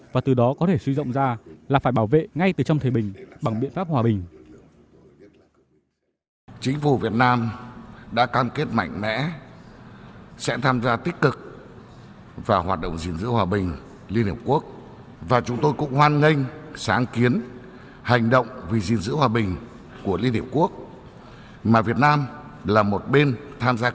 và từ đó có thể suy rộng ra là phải bảo vệ ngay từ trong thời bình bằng biện pháp hòa bình